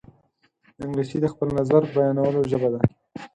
انګلیسي د خپل نظر بیانولو ژبه ده